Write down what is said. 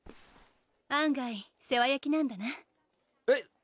案外世話焼きなんだなえっ？